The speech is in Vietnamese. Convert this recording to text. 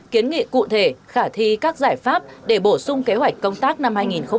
kiến nghị cụ thể khả thi các giải pháp để bổ sung kế hoạch công tác năm hai nghìn hai mươi